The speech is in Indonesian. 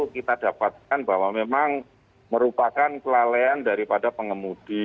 kita dapatkan bahwa memang merupakan kelalaian daripada pengemudi